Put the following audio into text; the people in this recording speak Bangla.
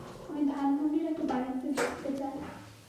আমি ধানমণ্ডির একটা বাড়িতে ঢুকতে চাই।